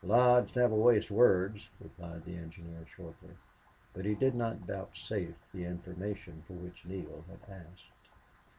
"Lodge never wastes words," replied the engineer, shortly. But he did not vouchsafe the information for which Neale had asked.